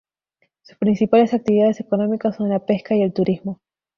Sus principales actividades económicas son la pesca y el turismo.